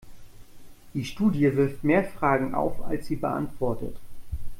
Die Studie wirft mehr Fragen auf, als sie beantwortet.